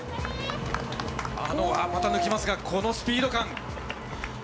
また抜きますか、このスピード感。